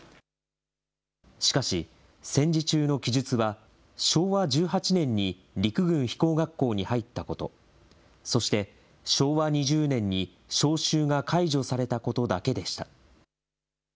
しかし、戦時中の記述は、昭和１８年に陸軍飛行学校に入ったこと、そして、昭和２０年に召集が解除されたことだけでした。